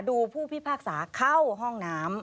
ผู้พิพากษาเข้าห้องน้ำ